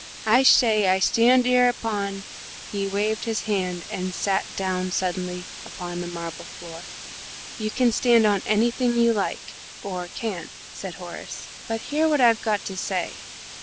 I shay, I shtand 'ere upon " Here he waved his hand, and sat down suddenly upon the marble floor. "You can stand on anything you like or can," said Horace; "but hear what I've got to say.